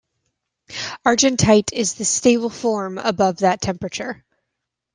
Argentite is the stable form above that temperature.